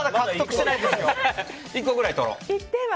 １個ぐらい取ろう。